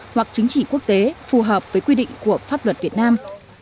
hoặc chính trị quốc tế phù hợp với quy định của pháp luật việt nam